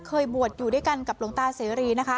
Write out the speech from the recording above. เคยบวชอยู่ด้วยกันกับหลวงตาเสรีนะคะ